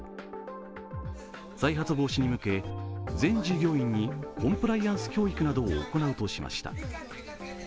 再発防止に向け、全従業員にコンプライアンス教育などを行うとしました。